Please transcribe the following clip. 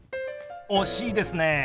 惜しいですね。